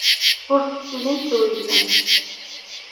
Ur tettilimt twejdemt.